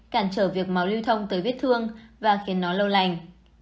cản trở việc máu lưu thông tới vết thương và khiến nó lâu lành